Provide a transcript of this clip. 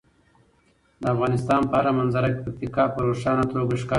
د افغانستان په هره منظره کې پکتیکا په روښانه توګه ښکاري.